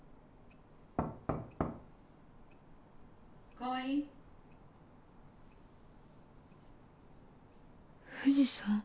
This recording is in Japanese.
・川合・藤さん。